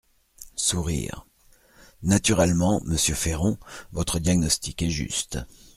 (Sourires.) Naturellement, monsieur Féron, votre diagnostic est juste.